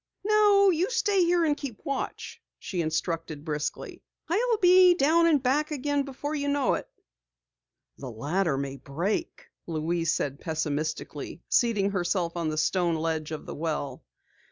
"Now you stay here and keep watch," she instructed briskly. "I'll be down and back again before you know it!" "The ladder may break," Louise said pessimistically, seating herself on the stone ledge of the well.